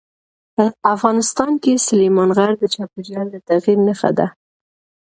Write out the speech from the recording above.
افغانستان کې سلیمان غر د چاپېریال د تغیر نښه ده.